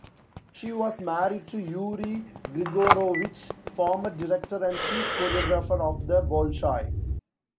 She was married to Yuri Grigorovich, former Director and Chief choreographer of the Bolshoi.